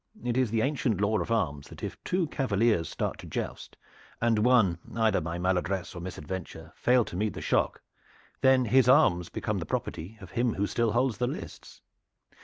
It is the ancient law of arms that if two cavaliers start to joust, and one either by maladdress or misadventure fail to meet the shock, then his arms become the property of him who still holds the lists.